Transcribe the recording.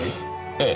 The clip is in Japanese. ええ。